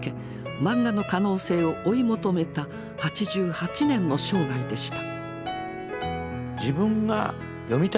漫画の可能性を追い求めた８８年の生涯でした。